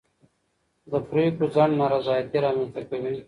د پرېکړو ځنډ نارضایتي رامنځته کوي